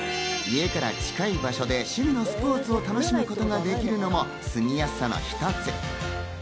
家から近い場所で趣味のスポーツを楽しむことができるのも住みやすさの一つ。